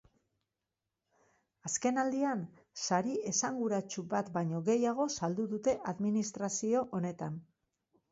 Azkenaldian sari esanguratsu bat baino gehiago saldu dute administrazio honetan.